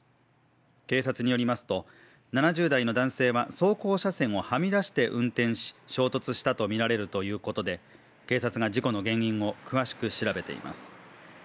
警察によりますと、７０代の男性は走行車線をはみ出して運転し、衝突したとみられるということで、警察が事故の原因を詳しく調べています。